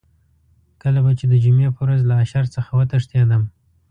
کله به چې د جمعې په ورځ له اشر څخه وتښتېدم.